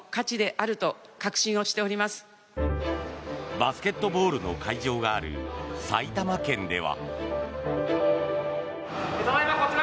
バスケットボールの会場がある埼玉県では。